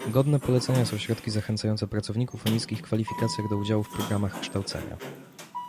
Godne polecenia są środki zachęcające pracowników o niskich kwalifikacjach do udziału w programach kształcenia